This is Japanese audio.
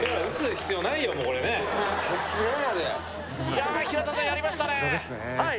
これねいや平田さんやりましたねはい！